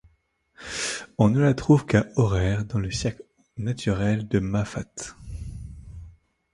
On ne la trouve qu'à Aurère, dans le cirque naturel de Mafate.